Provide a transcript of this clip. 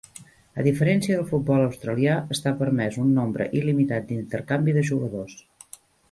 A diferència del futbol australià, està permès un nombre il·limitat d'intercanvi de jugadors.